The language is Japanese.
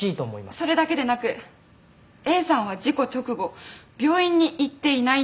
それだけでなくＡさんは事故直後病院に行っていないんです。